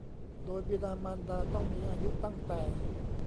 โดยบิดามารดาต้องมีอายุตั้งแต่